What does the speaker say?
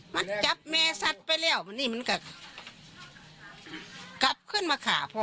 แม่สัดไปแล้วแล้วก็กลับขึ้นมาขาพอ